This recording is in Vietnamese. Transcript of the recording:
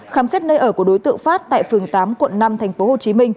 khám xét nơi ở của đối tượng phát tại phường tám quận năm tp hcm